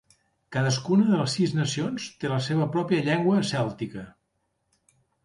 Cadascuna de les sis nacions té la seva pròpia llengua cèltica.